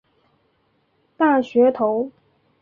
大学头。